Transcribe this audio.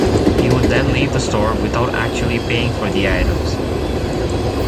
He would then leave the store without actually paying for the items.